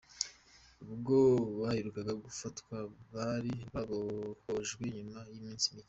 Ubwo baherukaga gufatwa bari babohojwe nyuma y’iminsi mike.